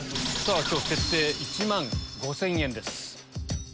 今日設定１万５０００円です。